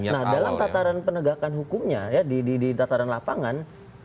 nah dalam tataran penegakan hukumnya ya di tataran lapangan